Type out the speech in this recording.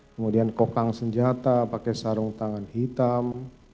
kemudian kokang senjata pakai sarung tangan hitam